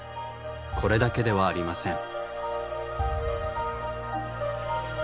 これだけではありません。